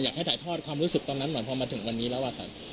อยากให้ถ่ายทอดความรู้สึกตอนนั้นก่อนพอมาถึงวันนี้แล้วอะครับ